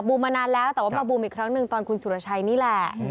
มานานแล้วแต่ว่ามาบูมอีกครั้งหนึ่งตอนคุณสุรชัยนี่แหละ